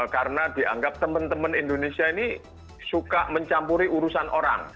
karena dianggap teman teman indonesia ini suka mencampuri urusan orang